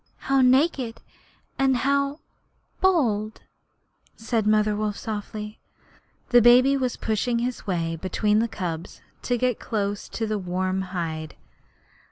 How naked, and how bold!' said Mother Wolf, softly. The baby was pushing his way between the cubs to get close to the warm hide.